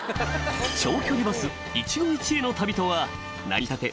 長距離バス一期一会の旅とはなりたて